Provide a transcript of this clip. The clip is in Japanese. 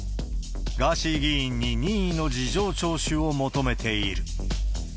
ガーシー議員に任意の事情聴取を求めている。